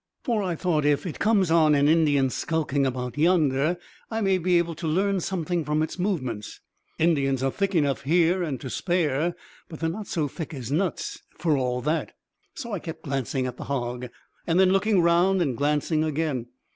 For I thought, if it comes on an Indian skulking about yonder, I may be able to learn something from its movements. Indians are thick enough here and to spare: but they're not so thick as nuts, for all that. "So I kept glancing at the hog, and then looking round and glancing again.